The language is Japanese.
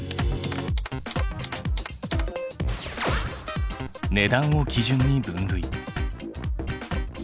値段を基準に分類。